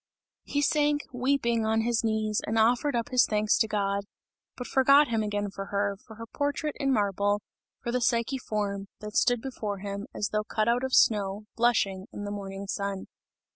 He sank, weeping, on his knees and offered up his thanks to God but forgot him again for her, for her portrait in marble, for the Psyche form, that stood before him, as though cut out of snow, blushing, in the morning sun.